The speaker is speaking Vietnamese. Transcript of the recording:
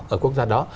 ở quốc gia đó